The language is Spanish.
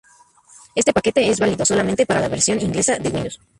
Este paquete es válido solamente para la versión inglesa de Windows.